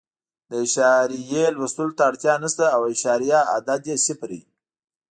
د اعشاریې لوستلو ته اړتیا نه شته او اعشاریه عدد یې صفر وي.